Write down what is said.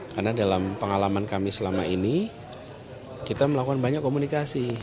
karena dalam pengalaman kami selama ini kita melakukan banyak komunikasi